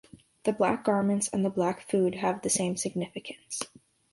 The black garments and the black food have the same significance.